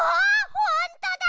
ほんとだ！